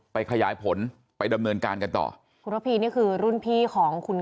ขยายผลไปดำเนินการกันต่อคุณระพีนี่คือรุ่นพี่ของคุณ